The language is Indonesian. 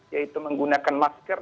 yaitu menggunakan masker